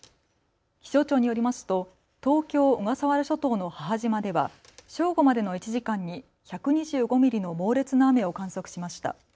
気象庁によりますと東京小笠原諸島の母島では正午までの１時間に１２５ミリの猛烈な雨を観測しました。